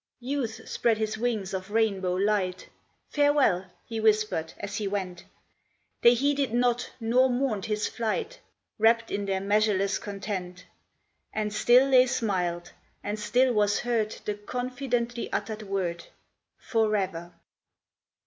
" Youth spread his wings of rainbow light, " Farewell !" he whispered as he went ; They heeded not nor mourned his flight, Wrapped in their measureless content ; And still they smiled, and still was heard The confidently uttered word, " Forever